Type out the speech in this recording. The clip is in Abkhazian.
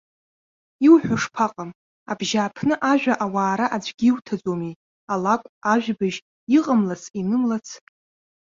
Иуҳәо шԥаҟам, абжьааԥны ажәа ауаара аӡәгьы иуҭаӡомеи, алакә, ажәабжь, иҟамлац-инымлац.